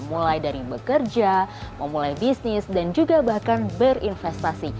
mulai dari bekerja memulai bisnis dan juga bahkan berinvestasi